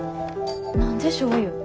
何でしょうゆ？